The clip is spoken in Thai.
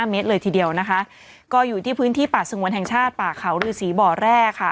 เมตรเลยทีเดียวนะคะก็อยู่ที่พื้นที่ป่าสงวนแห่งชาติป่าเขาฤษีบ่อแร่ค่ะ